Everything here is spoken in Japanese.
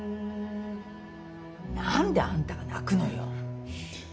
何であんたが泣くのよ。